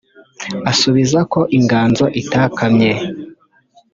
asubiza ko inganzo itakamye